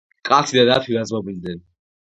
კაცი და დათვი დაძმობილდენ